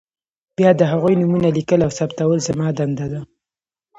بیا د هغوی نومونه لیکل او ثبتول زما دنده ده.